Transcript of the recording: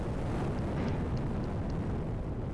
Kupika matembele kwa njia ya kukaanga